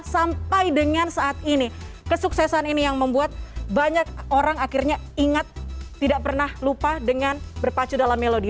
sampai dengan saat ini kesuksesan ini yang membuat banyak orang akhirnya ingat tidak pernah lupa dengan berpacu dalam melodi